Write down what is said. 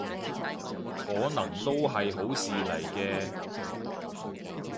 可能都係好事嚟嘅